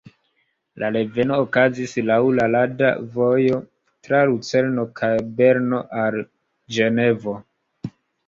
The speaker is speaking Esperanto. La reveno okazis laŭ la rada vojo tra Lucerno kaj Berno al Ĝenevo.